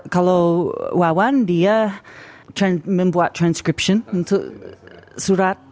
kalau wawan dia membuat transcription untuk surat